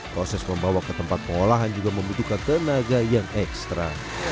proses membawa ke tempat pengolahan juga membutuhkan tenaga yang ekstra